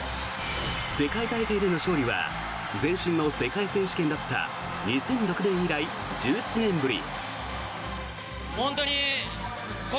世界大会での勝利は前身の世界選手権だった２００６年以来１７年ぶり。